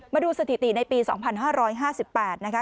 มาดูสถิติในปี๒๕๕๘นะคะ